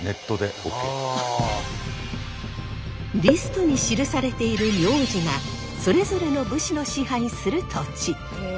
リストに記されている名字がそれぞれの武士の支配する土地。